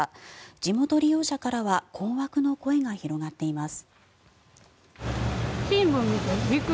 地元利用者からは困惑の声が広がっています。